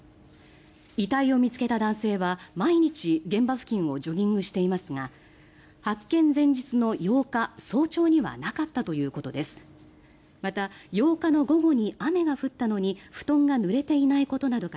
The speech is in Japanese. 遺体を見つけた男性は毎日現場付近をジョギングしていますが発見前日の８日早朝にはなかったということです。